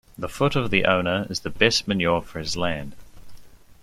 The foot of the owner is the best manure for his land.